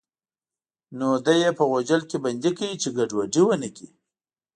نو دی یې په غوجل کې بندي کړ چې ګډوډي ونه کړي.